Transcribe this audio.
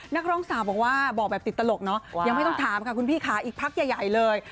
นักร้องสาวบอกว่าบอกแบบติดตลกเนอะยังไม่ต้องถามค่ะคุณพี่ค่ะอีกพักใหญ่เลย